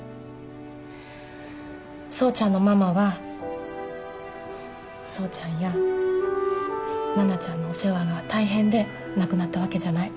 総ちゃんのママは総ちゃんやナナちゃんのお世話が大変で亡くなったわけじゃない。